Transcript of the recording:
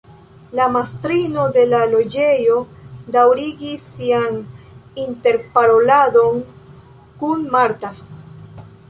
La mastrino de la loĝejo daŭrigis sian interparoladon kun Marta.